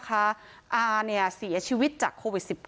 อาเสียชีวิตจากโควิด๑๙